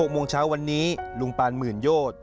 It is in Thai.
โมงเช้าวันนี้ลุงปานหมื่นโยชน์